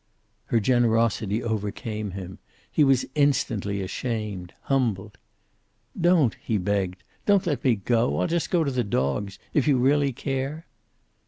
Her generosity overcame him. He was instantly ashamed, humbled. "Don't!" he begged. "Don't let me go. I'll just go to the dogs. If you really care?"